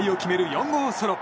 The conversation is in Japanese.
４号ソロ。